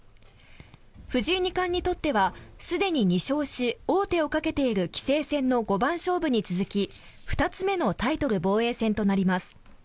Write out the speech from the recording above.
藤井二冠にとってはすでに２勝し王手をかけている棋聖戦の五番勝負に続き２つ目のタイトル防衛戦となります。